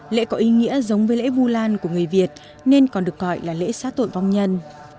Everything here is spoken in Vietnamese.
lễ có ý nghĩa giống với lễ vu lan của người việt nên còn được gọi là lễ xá tội vong nhân